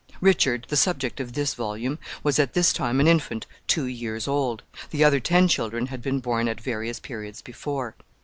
Richard, the subject of this volume, was at this time an infant two years old. The other ten children had been born at various periods before.